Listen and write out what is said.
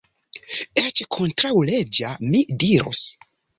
Eĉ kontraŭleĝa, mi dirus.